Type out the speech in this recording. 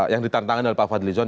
yang ditantangkan oleh pak fadli zon